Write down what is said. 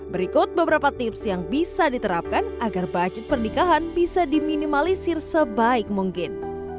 berikut beberapa tips yang bisa diterapkan agar budget pernikahan bisa diminimalisir sebaik mungkin